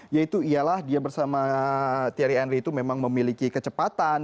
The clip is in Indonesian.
yaitu ialah dia bersama terry andri itu memang memiliki kecepatan